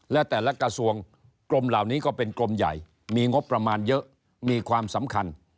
และแต่ละกระทรวงกรมเหล่านี้ก็เป็นกรมใหญ่มีงบประมาณเยอะมีความสำคัญ